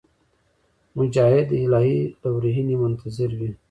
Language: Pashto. مجاهد د الهي لورینې منتظر وي.